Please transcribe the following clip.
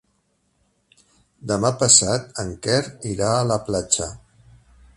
Demà passat en Quer irà a la platja.